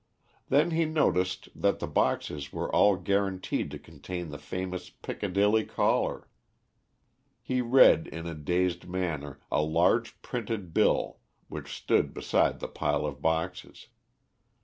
Then he noticed that the boxes were all guaranteed to contain the famous Piccadilly collar. He read in a dazed manner a large printed bill which stood beside the pile of boxes.